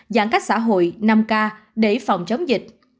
giãn cách xã hội năm k để phòng chống dịch